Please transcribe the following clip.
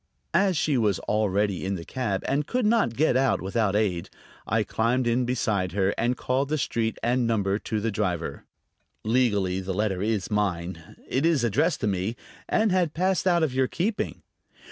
As she was already in the cab and could not get out without aid, I climbed in beside her and called the street and number to the driver. "Legally the letter is mine; it is addressed to me, and had passed out of your keeping."